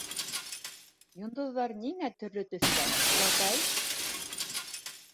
— Йондоҙҙар ниңә төрлө төҫтә, олатай?